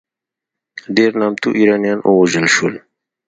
ډېر نامتو ایرانیان ووژل شول.